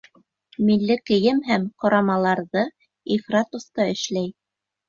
Милли кейем һәм ҡорамаларҙы ифрат оҫта эшләй.